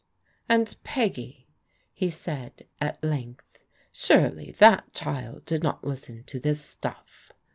" And Peggy," he said at length, " surely that child did not listen to this stuff?